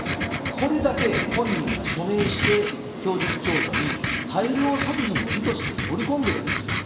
これだけ本人が署名して、供述調書に大量殺人を意図して、乗り込んでいるわけですよ。